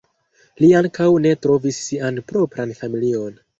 Li ankaŭ ne trovis sian propran familion.